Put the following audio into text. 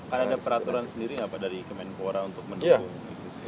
kan ada peraturan sendiri nggak pak dari kemenku orang untuk mendukung